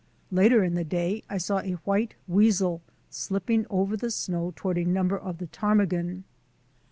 Later in the day I saw a white weasel slipping over the snow toward a number of the ptarmigan.